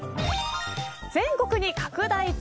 全国に拡大中。